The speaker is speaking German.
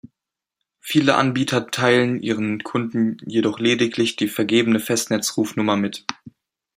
Viele Anbieter teilen ihren Kunden jedoch lediglich die vergebene Festnetz-Rufnummer mit.